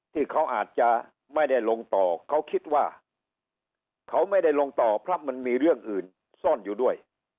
ที่เขาอาจจะไม่ได้ลงต่อเขาคิดว่าเขาไม่ได้ลงต่อเพราะมันมีเรื่องอื่นซ่อนอยู่ด้วย